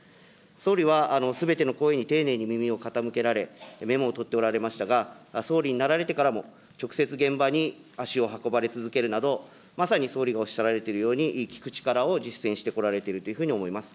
総理はすべての声に丁寧に耳を傾けられ、メモを取っておられましたが、総理になられてからも、直接現場に足を運ばれ続けるなど、まさに総理がおっしゃられているように、聞く力を実践してこられているというふうに思います。